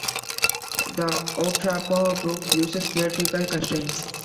The Outrapo group uses theatrical constraints.